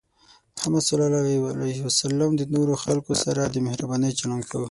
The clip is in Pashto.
محمد صلى الله عليه وسلم د نورو خلکو سره د مهربانۍ چلند کاوه.